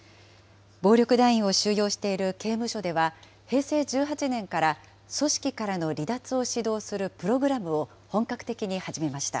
暴力団員を収容している刑務所では、平成１８年から組織からの離脱を指導するプログラムを本格的に始